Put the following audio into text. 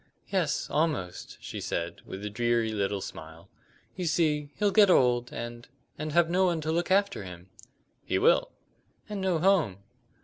"Yes, almost," she said, with a dreary little smile. "You see, he'll get old, and and have no one to look after him." "He will." "And no home."